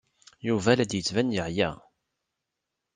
Yuba la d-yettban yeɛya.